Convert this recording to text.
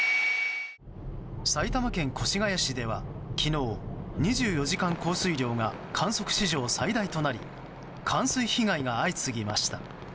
埼玉県越谷市では、昨日２４時間降水量が観測史上最大となり冠水被害が相次ぎました。